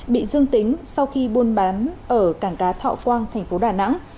bị dương tính sau khi buôn bán ở cảng cá thọ quang thành phố đà nẵng